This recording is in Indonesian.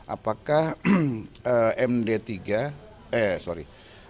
apakah md tiga eh sorry